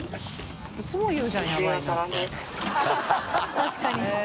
確かに。